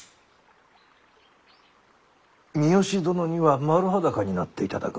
三好殿には丸裸になっていただく。